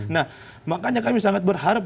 nah makanya kami sangat berharap